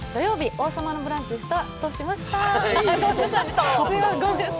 「王様のブランチ」スタートしました。